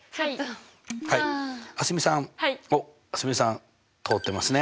おっ蒼澄さん通ってますね。